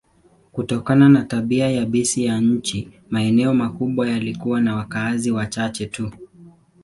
Kutokana na tabia yabisi ya nchi, maeneo makubwa yalikuwa na wakazi wachache tu.